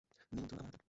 নিয়ন্ত্রণ আমার হাতে।